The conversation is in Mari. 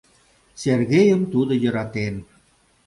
Сергейым тудо йӧратен.